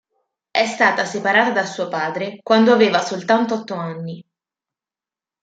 È stata separata da suo padre quando aveva soltanto otto anni.